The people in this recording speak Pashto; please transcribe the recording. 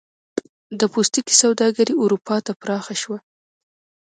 د پوستکي سوداګري اروپا ته پراخه شوه.